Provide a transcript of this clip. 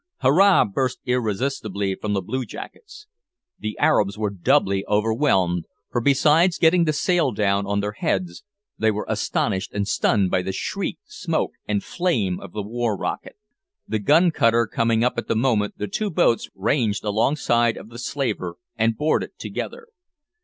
"Hurra!" burst irresistibly from the blue jackets. The Arabs were doubly overwhelmed, for besides getting the sail down on their heads, they were astonished and stunned by the shriek, smoke, and flame of the war rocket. The gun cutter coming up at the moment the two boats ranged alongside of the slaver, and boarded together.